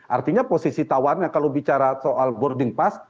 artinya posisi tawarnya kalau bicara soal boarding pass